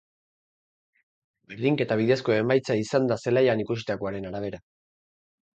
Berdinketa bidezko emaitza izan da zelaian ikusitakoaren arabera.